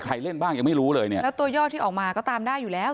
เล่นบ้างยังไม่รู้เลยเนี่ยแล้วตัวยอดที่ออกมาก็ตามได้อยู่แล้ว